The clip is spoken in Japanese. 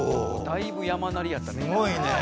だいぶ山なりやったね。